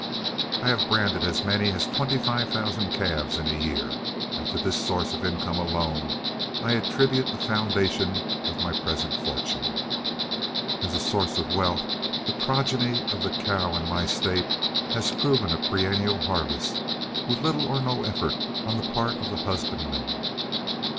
I have branded as many as twenty five thousand calves in a year, and to this source of income alone I attribute the foundation of my present fortune. As a source of wealth the progeny of the cow in my State has proven a perennial harvest, with little or no effort on the part of the husbandman.